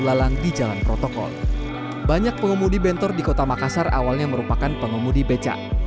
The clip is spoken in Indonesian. lalang di jalan protokol banyak pengemudi bentor di kota makassar awalnya merupakan pengemudi becak